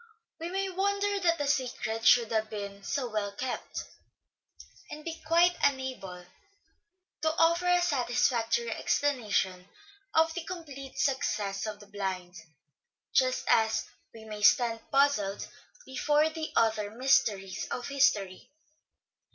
Preservation \Ve may wonder that the secret should have been incognito. so well kept, and be quite unable to offer a satisfactory explanation of the complete success of the " blind," just as we may stand puzzled before the other mysteries of history.